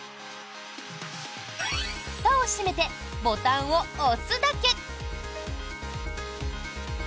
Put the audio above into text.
ふたを閉めてボタンを押すだけ。